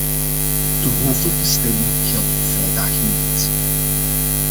De hoofdelijke stemming geldt op vrijdagen niet.